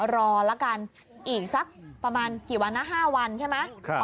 ละกันอีกสักประมาณกี่วันนะ๕วันใช่ไหม